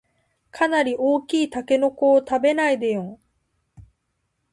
かなり大きいタケノコを食べないでよん